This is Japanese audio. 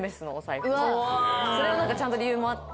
それはちゃんと理由もあって。